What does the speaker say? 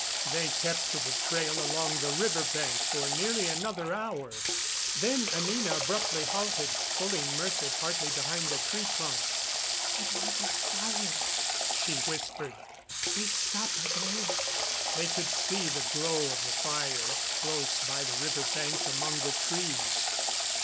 They kept to the trail along the river bank for nearly another hour. Then Anina abruptly halted, pulling Mercer partly behind a tree trunk. "Another fire," she whispered. "They stop again." They could see the glow of the fire, close by the river bank among the trees.